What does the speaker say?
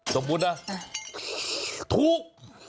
สมมุติว่าถูก